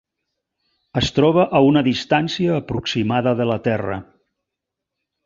Es troba a una distància aproximada de la Terra.